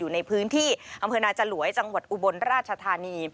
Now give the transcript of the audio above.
ในพื้นที่อำเภอนาจลวยจังหวัดอุบลราชธานี